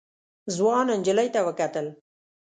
ځوان نجلۍ ته وکتل.